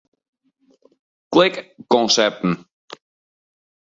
Klik Konsepten.